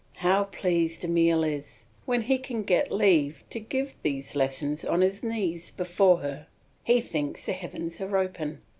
How pleased Emile is when he can get leave to give these lessons on his knees before her! He thinks the heavens are open.